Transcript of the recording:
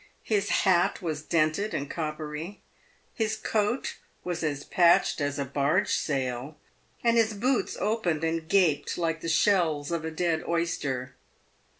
His hat was dented and coppery ; his coat was as patched as a barge sail, and his boots opened and gaped like the shells of a dead oyster.